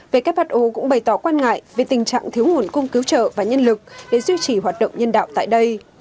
who cũng bày tỏ quan ngại về tình trạng thiếu nguồn cung cứu trợ và nhân lực để duy trì hoạt động nhân đạo tại đây